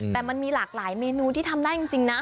แต่มันมีหลากหลายเมนูที่ทำได้จริงนะ